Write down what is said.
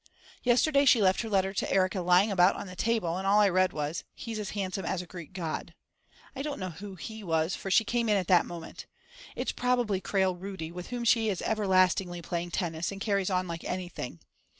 Yesterday she left her letter to Erika lying about on the table, and all I read was: He's as handsome as a Greek god. I don't know who "he" was for she came in at that moment. It's probably Krail Rudi, with whom she is everlastingly playing tennis and carries on like anything.